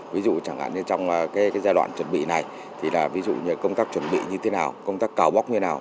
ví dụ trong giai đoạn chuẩn bị này công tác chuẩn bị như thế nào công tác cào bóc như thế nào